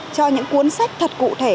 cho những cuốn sách thật cụ thể